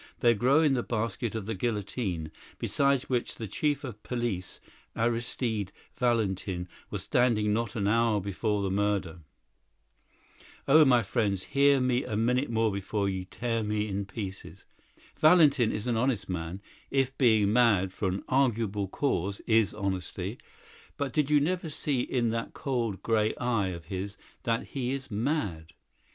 They grow in the basket of the guillotine, beside which the chief of police, Aristide Valentin, was standing not an hour before the murder. Oh, my friends, hear me a minute more before you tear me in pieces. Valentin is an honest man, if being mad for an arguable cause is honesty. But did you never see in that cold, grey eye of his that he is mad!